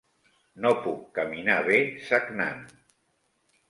No puc caminar bé sagnant.